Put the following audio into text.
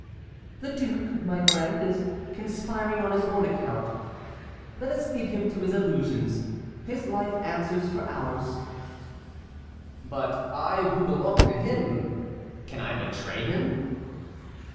"The duke, my friend, is conspiring on his own account. Let us leave him to his illusions. His life answers for ours." "But I, who belong to him, can I betray him?"